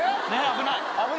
危ない。